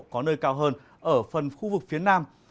có nơi cao hơn ở phần khu vực phía nam